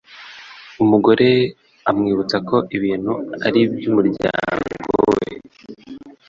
umugore amwibutsa ko ibintu ari ibyo umuryango we